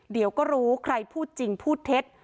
เดี๋ยวก็รู้ใครพูดจริงพูดเท็จ